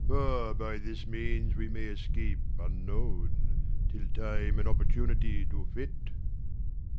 For by this means we may escape unknown, Till time and opportunity do fit.